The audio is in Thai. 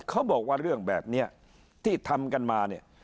เขาบอกว่าเรื่องแบบนี้ที่ทำกันมาเนี่ย